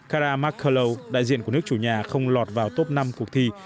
cara markelow đại diện của nước chủ nhà không lọt vào top năm cuộc thi